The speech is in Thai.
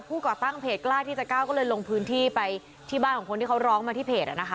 ก่อตั้งเพจกล้าที่จะก้าวก็เลยลงพื้นที่ไปที่บ้านของคนที่เขาร้องมาที่เพจนะคะ